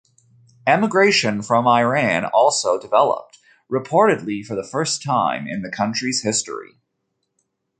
Emigration from Iran also developed, reportedly for the first time in the country's history.